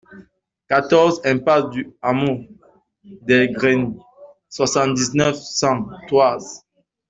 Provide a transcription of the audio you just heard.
quatorze impasse du Hameau des Graines, soixante-dix-neuf, cent, Thouars